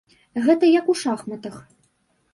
Гэта як у шахматах.